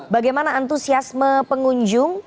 bagaimana antusiasme pengunjung